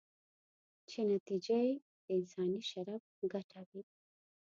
چې نتیجه یې د انساني شرف ګټه وي.